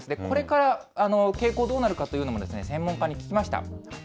これから傾向、どうなるかというものも専門家に聞きました。